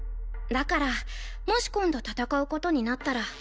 だからもし今度戦うことになったら